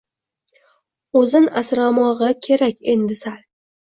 O’zin asramog’i kerak endi sal